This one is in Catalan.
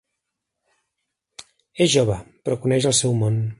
És jove, però coneix el seu món.